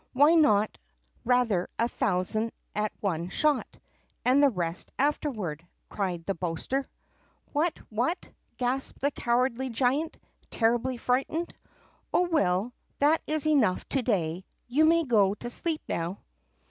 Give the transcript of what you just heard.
"Why not rather a thousand at one shot, and the rest afterward?" cried the boaster. "What, what!" gasped the cowardly giant, terribly frightened. "Oh, well! that is enough for to day; you may go to sleep now!"